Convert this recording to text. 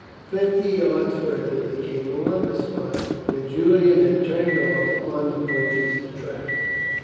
Fifty yards further they came on the spot where Julian had turned off on the poacher's track.